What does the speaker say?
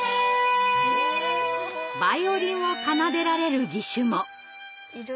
バイオリンを奏でられる義手も！